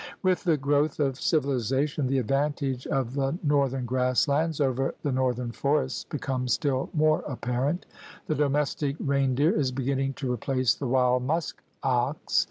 With the growth of civilization the advantage of the northern grass lands over the northern forests becomes still more apparent. The domestic rein deer is beginning to replace the wild musk ox.